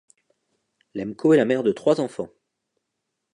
Lemco est la mère de trois enfants.